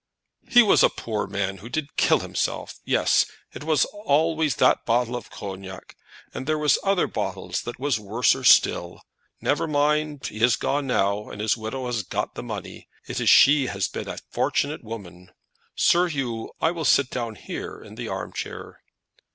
"He was a poor man who did kill himself. Yes. It was always that bottle of Cognac. And there was other bottles was worser still. Never mind; he has gone now, and his widow has got the money. It is she has been a fortunate woman! Sir 'Oo, I will sit down here in the arm chair."